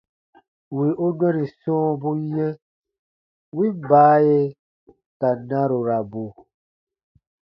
Wì u nɔni sɔ̃ɔbu yɛ̃, win baaye ka narurabu.